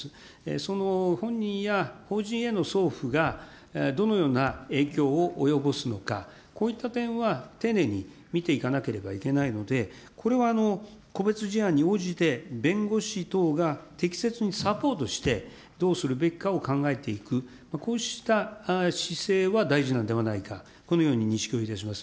その本人や法人への送付がどのような影響を及ぼすのか、こういった点は丁寧に見ていかなければいけないので、これは個別事案に応じて、弁護士等が適切にサポートして、どうするべきかを考えていく、こうした姿勢は大事なんではないか、このように認識いたします。